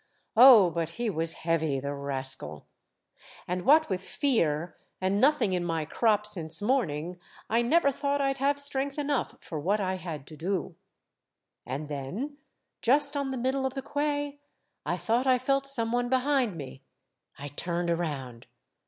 Oh ! but he was heavy, the rascal ! And what with fear, and nothing in my crop since S6 Monday Tales. morning I never thought I 'd have strength enough for what I had to do. And then, just on the mid dle of the quay, I thought I felt some one behind me. I turned around.